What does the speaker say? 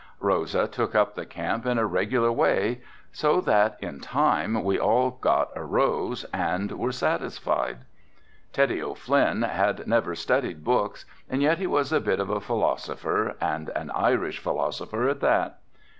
Rosa took up the camp in a regular way so that in time we all got a rose and were satisfied." "Teddy O'Flynn had never studied books and yet he was a bit of a philosopher, and an Irish philosopher at that.